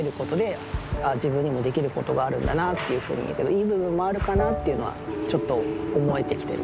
いい部分もあるかなっていうのはちょっと思えてきてる。